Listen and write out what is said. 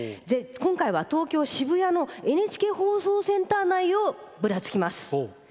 今回は東京・渋谷のＮＨＫ放送センター内をぶらつきます。